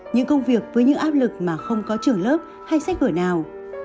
những công việc với những áp lực mà không có trường lớp hay sách vở nào